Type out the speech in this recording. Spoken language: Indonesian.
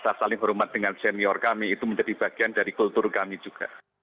kita saling hormat dengan senior kami itu menjadi bagian dari kultur kami juga